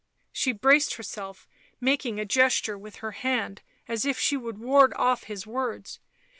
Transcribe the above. She braced herself, making a gesture with her hand as if she would ward off his words.